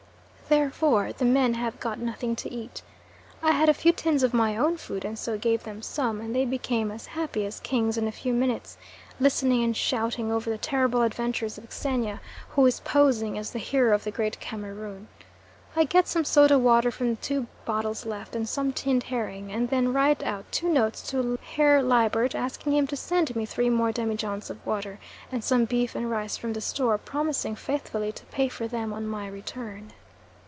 Therefore the men have got nothing to eat. I had a few tins of my own food and so gave them some, and they became as happy as kings in a few minutes, listening and shouting over the terrible adventures of Xenia, who is posing as the Hero of the Great Cameroon. I get some soda water from the two bottles left and some tinned herring, and then write out two notes to Herr Liebert asking him to send me three more demijohns of water, and some beef and rice from the store, promising faithfully to pay for them on my return.